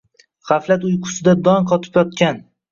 G’aflat uyqusida dong qotib yotgan